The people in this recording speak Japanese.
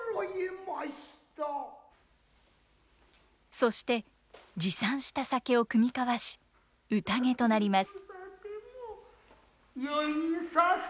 そして持参した酒を酌み交わし宴となります。